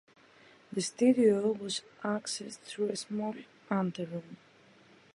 The studio was accessed through a small anteroom.